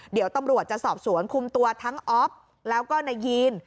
เดี๋ยวตำรวจจะสอบสวนคุมตัวทั้งอ๊อฟแล้วก็นายยีน